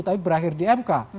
tapi berakhir di mk